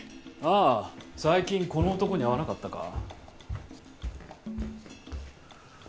あ最近この男に会わなかったか？